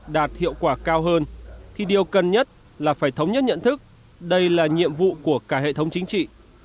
điều cần nhất là phải thống nhất nhận thức đây là nhiệm vụ của cả hệ thống chính trị